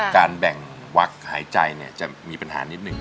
การแบ่งวักหายใจจะมีปัญหานิดนึง